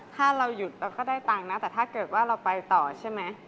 ถ้าเราหยุดเราก็ได้ตังค์นะแต่ถ้าเกิดว่าเราไปต่อใช่ไหม